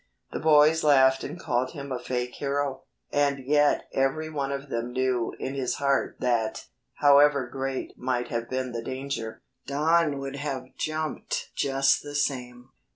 The boys laughed and called him a "fake hero," and yet every one of them knew in his heart that, however great might have been the danger, Don would have jumped just the same.